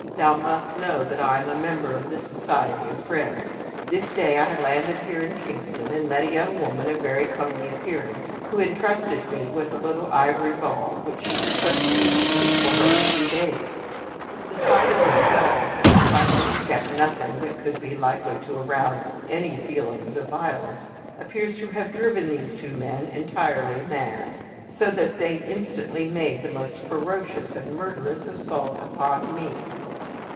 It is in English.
Thou must know that I am a member of the Society of Friends. This day I landed here in Kingston, and met a young woman of very comely appearance, who intrusted me with this little ivory ball, which she requested me to keep for her a few days. The sight of this ball in which I can detect nothing that could be likely to arouse any feelings of violence appears to have driven these two men entirely mad, so that they instantly made the most ferocious and murderous assault upon me.